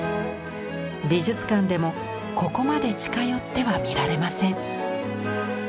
美術館でもここまで近寄っては見られません。